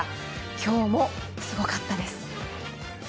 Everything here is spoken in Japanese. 今日もすごかったです。